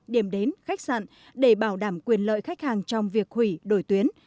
điểm đến khách sạn để bảo đảm quyền lợi khách hàng trong việc hủy đổi tuyến